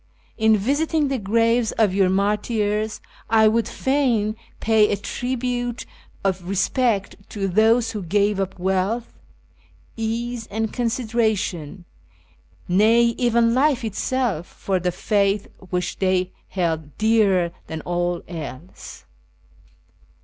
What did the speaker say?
In visiting the graves of your martyrs I would fain pay a tribute of respect to those who gave up wealth, ease, and consideration, nay, even life itself, for the faith which they held dearer than all else."